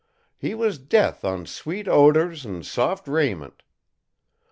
He was death on sweet odors an' soft raiment.